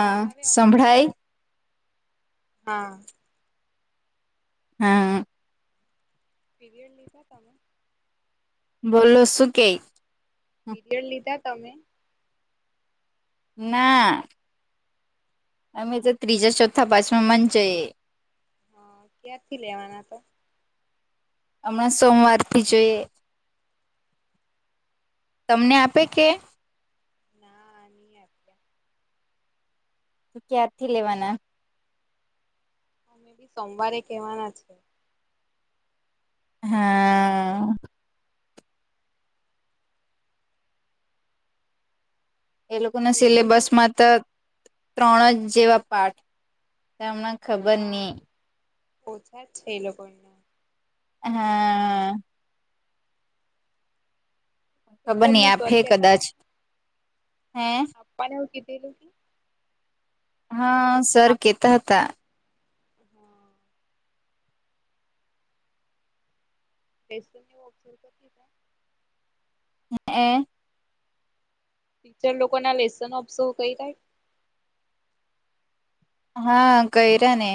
હવે આવે અવાજ સંભળાય? હા. હા. પીરિયડ લીધા તમે? બોલો શું કે પીરિયડ લીધા તમે? ના. અમે તો ત્રીજા-ચોથા-પાચમાં માંજ જઈએ. હા ક્યારથી લેવાના તો? હમણાં સોમવારથી જોઈએ. તમને આપે કે? ના નય આપ્યા. તો ક્યારથી લેવાના? મેં બી સોમવારે કહેવાના છે. હા. એ લોકો ના લેસનની સિલેબસમાં તો ત્રણ જ જેવા પાર્ટ તેમના હા, ઓછા જ છે એ લોકોને કેમ હા. ખબર નહી તમને સર આપે કેતા કદાચ હે? મને એવું કે તે લોકો હા સર આપ કેતા હતા હા. [unintelligible] [unintelligible] ટીચર લોકો ના લેસન ઓફસો કઈ કાય હા હલો કયરા ને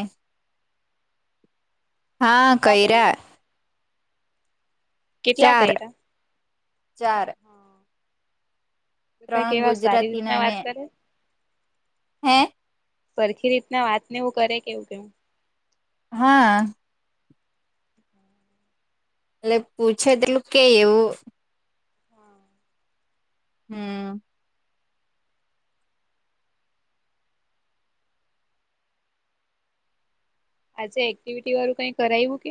હા, કર્યા. કેટલા કર્યા ચાર-ચાર. તે ત્રણ કેવા સારી ગુજરાતી ના રીતના ને વાત કરે. હે? સરખી રીતના વાત ને એવું કરે કે એવું કેમ. હા. એટલે પૂછે તેટલું કે એવું હા હમ્મ. આજે એક્ટિવિટી વારૂ કઈ કરાઈવું કે?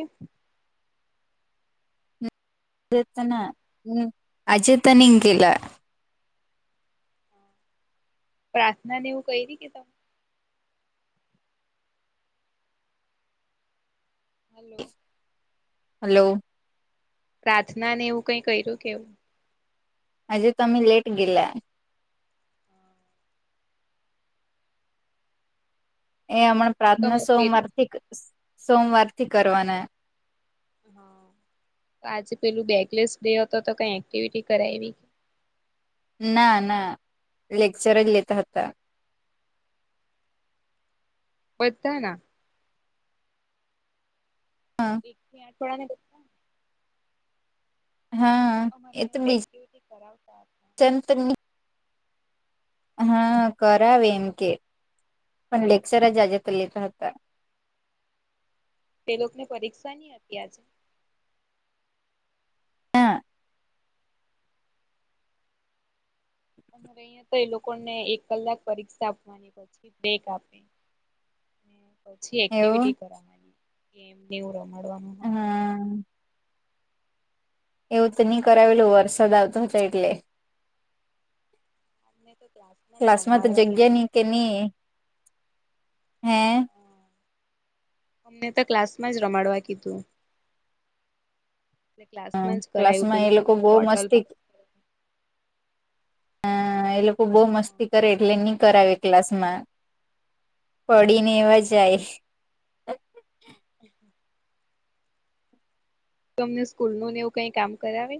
હલો જેતના હમ્મ આજે તો ની ગેલા. પ્રાર્થના ને એવું કઇરી કે ત હલો. હલો. પ્રાર્થના ને એવું કઈ કર્યું કે એવું? આજે તમે લેટ ગેલા. એ હમણાં તો પ્રાર્થના તમે સોમવાર પેલું થી સોમવાર થી કરવાના. આજે પેલું બેકલેસ ડે હતો તો કઈ એક્ટિવિટી કરાઈવી? ના, ના લેક્ચર જ લેતા હતા. પતાના. એકથી આઠવાડા ને બધા હા. અમારે એક્ટિવિટી કરાવતા હતા ચતણી. હા, કરાવે એમ કે, પણ લેક્ચર જ આજે તો લેતા હતા. એ લોકોએ પરીક્ષા નહીં આપી આજે. હા. અરે, અહીંયા તો એ લોકોને એક કલાક પરીક્ષા આપવાની, પછી બેગ આપે. પછી એવું એક્ટિવિટી કરવાની, ગમવું રમાડવાનું હોય. હા એવું તો નહીં કરાવેલું, વરસાદ આવતો હતો એટલે. અમને તો જ ક્લાસમાં તો રમાડવા જગ્યા કીધું નથી કે નહીં છે? અમને તો ક્લાસમાં કહ્યું. એ ક્લાસમાં જ કરાયું, ક્લાસમાં પેલું એ લોકો બહુ કર્ટલ મસ્તી પાસ કર. હા, એ લોકો બહુ મસ્તી કરે એટલે નહીં કરાવે ક્લાસ મા. પડીને એવા જાય. હમ. તમને સ્કૂલનું ને એવું કંઈ કામ કરાવે?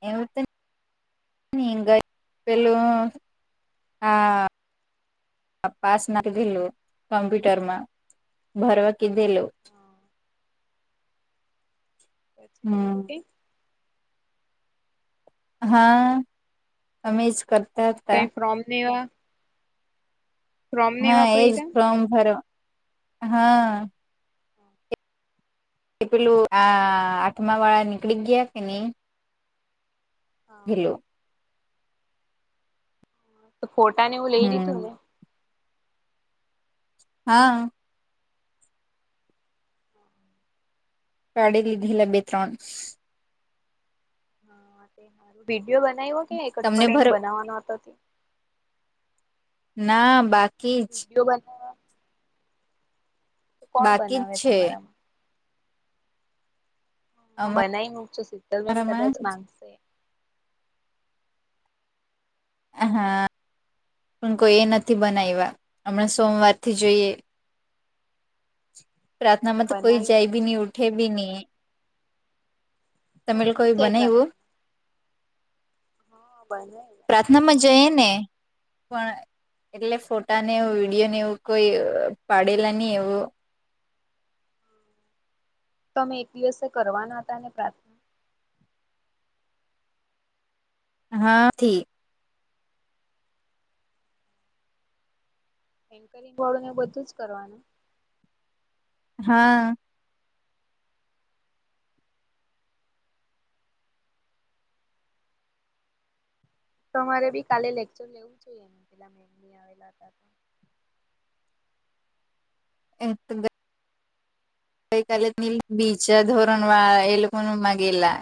એવું છે. પેલું આ હા. પાસ નાખી દીધેલું, કમ્પ્યુટરમાં ભરવા દીધેલું. પછી કોઈ કંઈ? હમ હા, અમે જ કર. કઈ ફોર્મ લેવા? હા, એવા એ જ ભર્યા ફોર્મ ભરો, હા. કે પેલા આ આઠમા વાળા નીકળી ગયા કે નહી? હેલો. તો ને એવું લઈ હમ લીધું. હા. ગાડી લીધેલી બે-ત્રણ. હા, વીડિયો બનાવ્યો કે તમને ભર અઠવાડિયાનું બનાવવાનો હતો? ના બાકી જ. વિડીયો બનાવ કોણ બાકી જ બનાવે છે તમારામાં? હા, બનાવી મૂકશો. શીતલ મે એમ અમારામાં કદાચ માંગશે. હા, પણ કોઈએ નથી બનાવ્યા હમણાં. સોમવારથી જોઈએ. હા પ્રાર્થનામાં તો કોઈ બનાવી જાય બી મૂકજો નહી, ઉઠે બી નહી. તમે તમારામાંથી નહી કોઈ જાય બનાવેવું? પ્રાર્થનામાં હા બને. પ્રાર્થનામાં જઈને. પણ એટલે ફોટા ને એવો વીડિયો ને, એવું કોઈ પાડેલા નથી એવું. તમે એક દિવસે કરવાના હતા ને, પ્રાર્થના? હા થી. એન્કરિંગ વાળું ને, બધું જ કરવાનું. હા. તો રે, બી કાલે લેક્ચર લેવું જોઈએ, એ પેલા મેમના આવેલા હતા. એ. કાલે નીચેનાં ધોરણવાળા એ લોકો કોને માગેલા?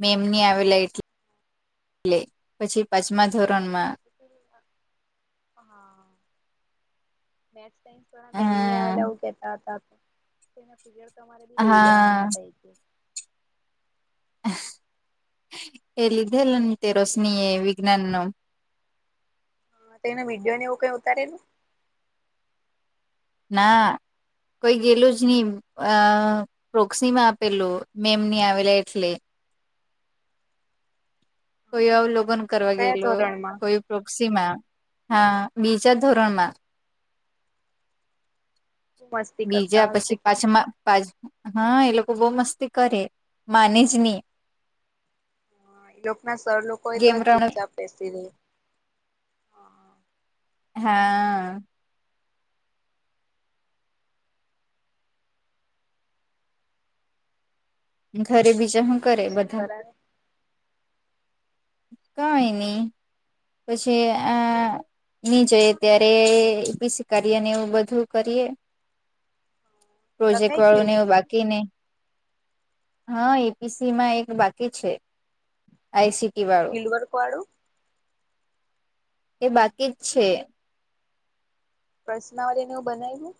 મેં એમને કહ્યું, એટલે પછી પાંચમા ધોરણમાં. હા. મેથ્સ-સાયન્સવાળા મેમની આવેલા, હા આવું કહેતા હતા. પીરિયડ તમારે બી લેવા હા ને. એ લીધેલું, રોશનીએ વિજ્ઞાનનું. એને વિડયોન એવું કઈ ઉતારેલુ? ના. કોઈ ગેલું જ ની અ પ્રોક્સીમાં આપેલું, મેમ ની આવેલા એટલે. હા. અવલોકન કરવા કયા ગયેલો, ધોરણમાં કોઈ પ્રોક્સીમાં. હા, બીજા ધોરણમાં ખુબ મસ્તી કરતા બીજા પછી હશે કે પાછમાં પાહા, એ લોકો બઉ મસ્તી કરે માને જ ની. હ, ઈ લોકના સર લોકો એતો ગેમ રણ ચુપચાપ બેસી રે. હા. ઘરે બીજા હું કરે બીજું શું બધા? કરાવે કઈ ની પછી આ ની જોયે, ત્યારે એપીસી કાર્ય ને, એવું બધું કરીએ. [unintelligible] પ્રોજેક્ટ વાળું ગયું ને એવું પીછું બાકીને. હા, એપીસીમાં એક બાકી છે, આઇસી. અને ફિલ્ડવર્ક વાળું? એ બાકી જ છે. પ્રશ્નાવલી ને, એવું બનાયવું.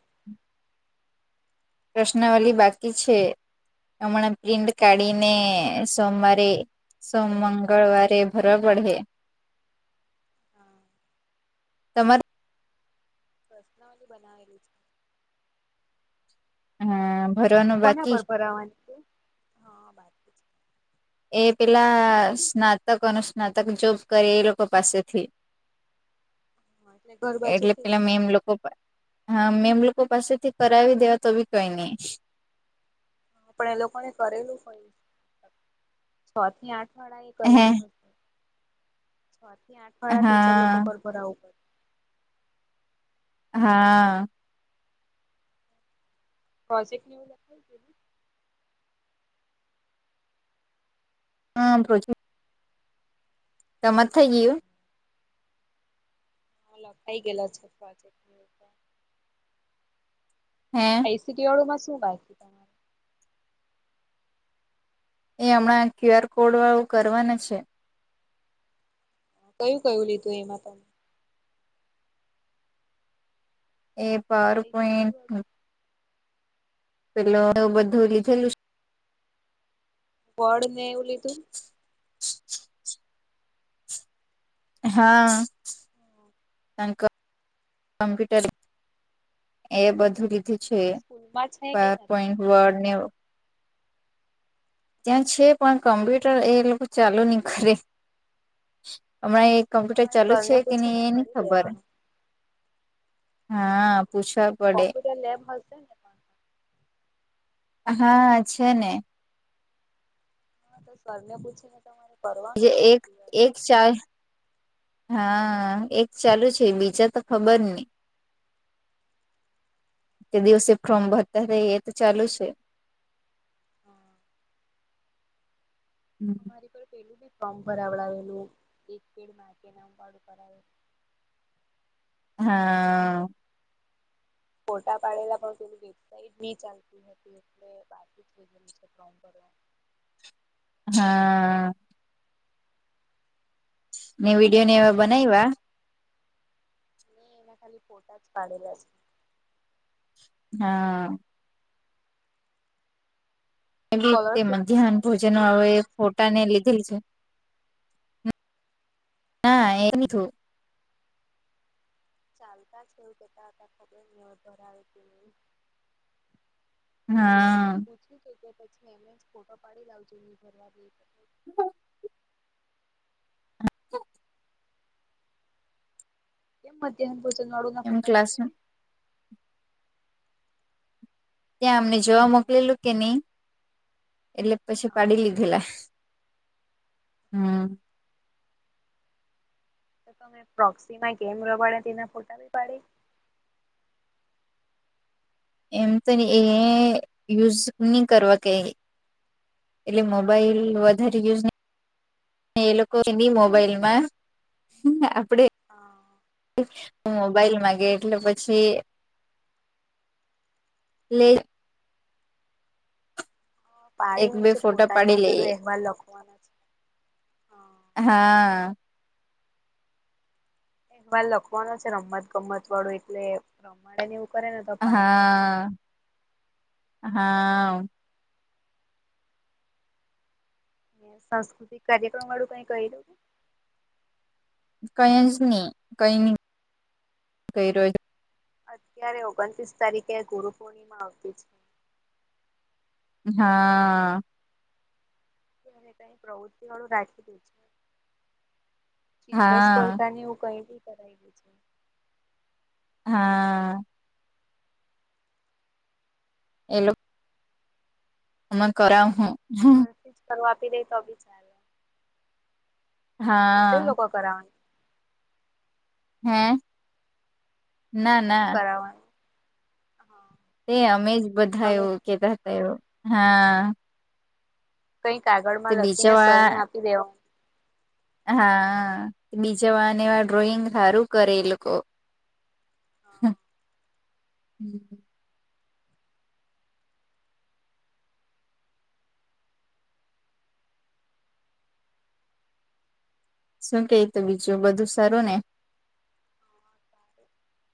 પ્રશ્નાવલી બાકી છે. હમણાં પ્રિન્ડ કાઢીને, સોમવારે સોમ-મંગળવારે ભરવા પડે. [unintelligible] તમારે પ્રશ્નાવલી બનાવેલી છે. હા. કોના પર ભરવાની છે, હા. છે. એ પેલા સ્નાતક-અનુસ્નાતક જોબ કરે, એ લોકો પાસેથી હા એટલે ઘર એટલે બાજુથી જ પેલા ને મેમ લોકો પા હા, મેમ લોકો પાસેથી કરાવી દેવા તો, બી કઈ નઈ. આપડે લોકોને કરેલું હોય, છ થી આઠ વાડાએ હે કરેલું હોય, છ થી આઠ હા વાળા ટીચર લોકો હા પર ભરાવું પડે. હા. પ્રોજેકટ. હા, પ્રોજેકટ. તમાર થઈ ગયું. હ, લખાઈ ગેલા છે, પ્રોજેક્ટ તો. હે. શુ બાકી તમારે? એ હમણાં ક્યુઆર કોડ વાળું કરવાના છે. કયું-કયું લીધું એમાં તો? એ આઈસીટી પાવરપોઈન્ટ. વાળું પેલો એવું બધું લીધેલું. બોડને એવું લીધું? હા. હા [unintelligible] એ હા બધું લીધું છે, એ સ્કૂલમાં છે કે પાર નથી પોઈન્ટ વર્ડ ને. ત્યા હા છે, પણ કોમ્પ્યુટર એ લોકો ચાલુ ની કરે, હમણાં એક તો કમ્પ્યુટર મારે ચાલુ છે સરને કે ની, પૂછીને એ નહીં કરી ખબર, દેવાનું હા પૂછ. કોમ્પ્યુટર લેબમાં સેને? હા, છેને. હ, તો સરને પૂછીને. તમારે કરવાનું આઈસીટી વાળું એક-એક. હા, એક ચાલુ છે, બીજા તો ખબર નહી. તે દિવસે ફોર્મ ભરતા એતો ચાલુ છે. હા હમ. મારી પર પેલુ બી ફોર્મ ભરાવડાવેલુ, એક પેડ મા કે નામ વાલુ. હા. ફોટા પાડેલા પણ તેની વેબસાઇટ ની ચાલતી હતી, એટલે બાકી જ રેય ગેલુ છે, ફોર્મ ભરવાનુ. હા. મે વિડીયોને સ્કોલરશીપ એવા ના બનાઇવા. ની એના ખાલી ફોટાજ પાડેલા છે. હા. એવી રીતે સ્કોલરશીપ ના મધ્યાહન લેવા ભોજન ફોર્મ આવે. ભરાતા તને લીધેલી છે, હ હા એમીઠુ. ચાલતા છે, એવુ કેતા હતા ખબર ની, હવે ઘરે આવે કેની. હા. પછી એમજ ફોટો પાડી લાવજો ની, ભરવા દેય તો. [unintelligible] હ. [unintelligible] કેમ મધ્યાહન ભોજન વારુના એમ ફોટા પાડે. ક્લાસમાં ત્યા અમને જોવા હા મોકલેલુ કેની, એટલે પછી પાડી લીધેલા. હા હમ. તો તમે પ્રોક્સીમા ગેમ રમાડે તેના ફોટા બી પાડી. એમ તો ને, એ યુઝ નહી કરવા કઈ. એટલે મોબાઈલ વધારે યુઝ નહી. એ લોકોની મોબાઈલ મા હમ આપડે. હા. મોબાઈલ માંગે એટલે પછી. લે એક પાડી બે મુકશે ફોટા ફોટાને પાડી ઉપેલુ લઈએ અહેવાલ લખવાના છે હ હા. એહવાલ લખવાનો છે રમત ગમત વાળું એટલે રમાડેને એવુ. હા હા. સાંસ્કૃતિક કાર્યક્રમ વાળુ કઈ કર્યું કે કઈ જ નહી કઈ ની કર્યું તો. અત્યારે ઓગણત્રીસ તારીખે ગુરુ પૂર્ણિમા આવતી છે. હા. તયારે કઈ પ્રવૃત્તિ વાળુ રાખેલુ છે. ચિત્ર હા સ્પર્ધાને એવુ કઈબી કરાયદે છે. હા. એ લોકો. અમા કરાવ હું. ઘરથીજ કરવા આપી દે તો બી ચાલે. ટીચર હા લોકો કરાવની. હે. ના કોણ ના કરવાનું હ. તે અમે જ બધા એવું કેતા હતા એ હા. કઈ તે કાગળમાં લખીને બીજા સર ને વાળા આપી દેવાનું. હા બીજા વારને એ વાર ડ્રોઈંગ હારું કરે એ લોકો. હા હમ. શું કેય તો બીજું બધું સારું ને.